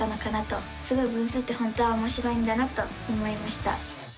すごい分数って本当はおもしろいんだなと思いました！